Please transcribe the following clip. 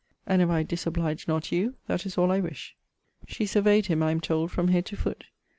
And if I disoblige not you, that is all I wish. She surveyed him, I am told, from head to foot.